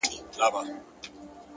ما او تا د وخت له ښايستو سره راوتي يو.!